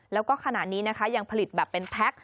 แล้วก็ขณะนี้นะคะยังผลิตแบบเป็นแพ็ค